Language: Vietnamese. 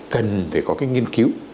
cần phải có cái nghiên cứu